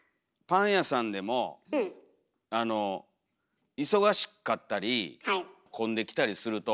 パン屋さんでも忙しかったり混んできたりするとガサッ！